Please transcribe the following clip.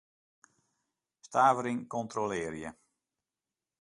Stavering kontrolearje.